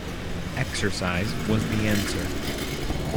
"Exercise," was the answer.